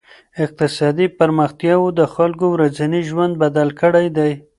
اقتصادي پرمختياوو د خلګو ورځنی ژوند بدل کړی دی.